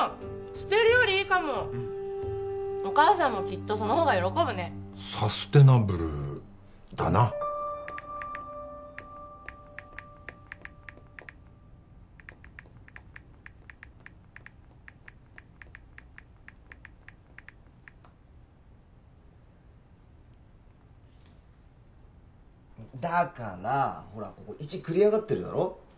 捨てるよりいいかもお母さんもきっとその方が喜ぶね「サステナブル」だなだからほらここ１繰り上がってるだろ